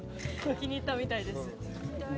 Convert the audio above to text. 気に入ったみたいです。